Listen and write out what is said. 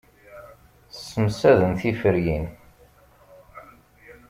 Ssemsaden tiferyin.